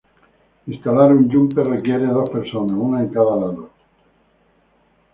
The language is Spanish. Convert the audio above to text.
Instalar un jumper requiere dos personas, una en cada lado.